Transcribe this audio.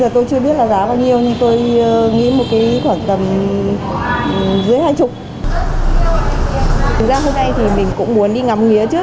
thực ra hôm nay thì mình cũng muốn đi ngắm nghía trước